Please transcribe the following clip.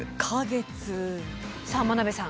さあ眞鍋さん。